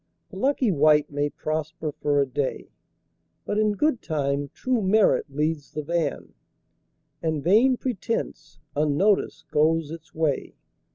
The lucky wight may prosper for a day, But in good time true merit leads the van And vain pretence, unnoticed, goes its way.